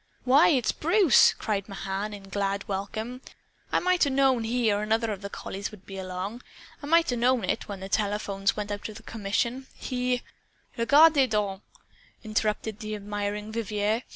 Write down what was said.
"Why, it's Bruce!" cried Mahan in glad welcome. "I might 'a' known he or another of the collies would be along. I might 'a' known it, when the telephones went out of commission. He " "Regardez donc!" interrupted the admiring Vivier.